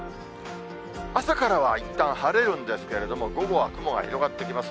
朝からはいったん晴れるんですけれども、午後は雲が広がってきます。